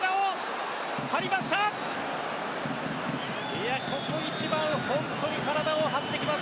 いやここ一番ホントに体を張ってきます